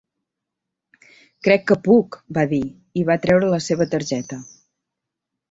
"Crec que puc," va dir, i va treure la seva targeta.